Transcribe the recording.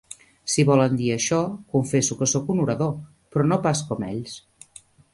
Si volen dir això, confesso que sóc un orador, però no pas com ells.